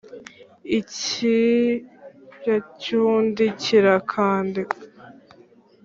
ikibya cy'undi kirakandika